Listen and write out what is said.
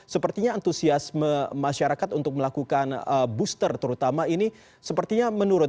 sepertinya antusiasme masyarakat untuk melakukan booster terutama ini sepertinya menurun